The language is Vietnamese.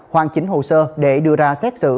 hoàn chính hồ sơ để đưa ra xét xử